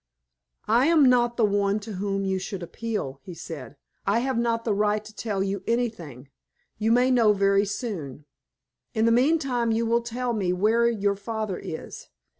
"I am not the one to whom you should appeal," he said. "I have not the right to tell you anything; you may know very soon. In the meantime, will you tell me where your father is?"